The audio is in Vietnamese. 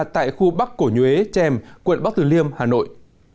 tại khu bắc cổ nhuế trèm quận bắc từ liêm hà nội